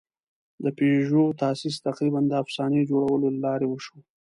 د پيژو تاسیس تقریباً د افسانې جوړولو له لارې وشو.